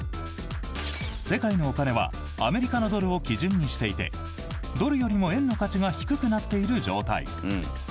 世界のお金はアメリカのドルを基準にしていてドルよりも円の価値が低くなっている状態。